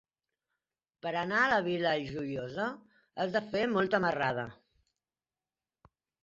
Per anar a la Vila Joiosa has de fer molta marrada.